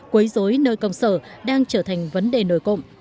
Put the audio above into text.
quấy dối nơi công sở đang trở thành vấn đề nổi cộng